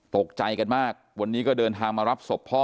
ตกใจกันมากวันนี้ก็เดินทางมารับศพพ่อ